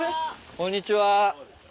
こんにちは。